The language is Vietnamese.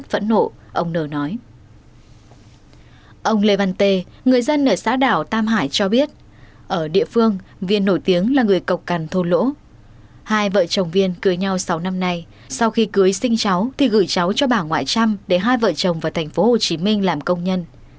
hai vợ chồng viên cưới nhau sáu năm nay sau khi cưới sinh cháu thì gửi cháu cho bà ngoại trăm để hai vợ chồng vào thành phố hồ chí minh làm công nhân